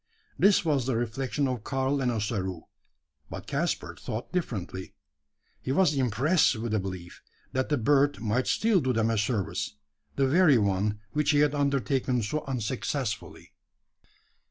This was the reflection of Karl and Ossaroo; but Caspar thought differently. He was impressed with a belief, that the bird might still do them a service the very one which he had undertaken so unsuccessfully.